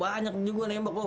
banyak juga menembak om